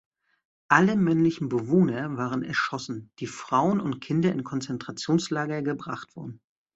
Alle männlichen Bewohner waren erschossen, die Frauen und Kinder in Konzentrationslager gebracht worden.